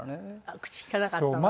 口利かなかったの？